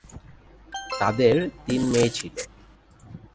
তাদের তিন মেয়ে ছিল।